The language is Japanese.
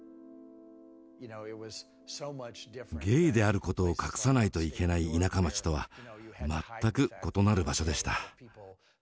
ゲイであることを隠さないといけない田舎町とは全く異なる場所でした。